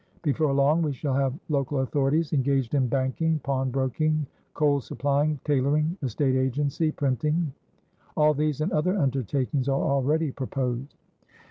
Before long we shall have local authorities engaged in banking, pawnbroking, coal supplying, tailoring, estate agency, printingall these, and other undertakings, are already proposed."